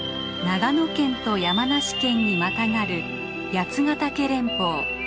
長野県と山梨県にまたがる八ヶ岳連峰。